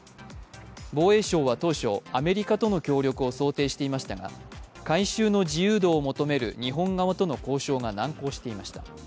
防衛省は当初、アメリカとの協力を想定していましたが改修の自由度を求める日本側との交渉が難航していました。